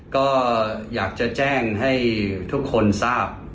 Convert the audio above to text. ก็อยากจะแจ้งให้ทุกคนทราบ